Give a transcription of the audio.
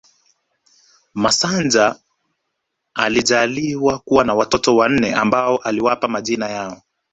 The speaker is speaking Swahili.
Masanja alijaaliwa kuwa na watoto wanne ambao aliwapa majina yao